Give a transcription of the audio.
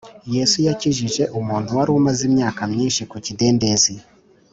yesu yakijije umuntu wari amaze imyaka myinshi ku kidendezi